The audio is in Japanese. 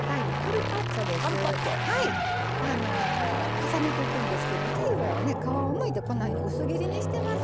重ねていくんですけどキウイは皮をむいてこないに薄切りにしてます。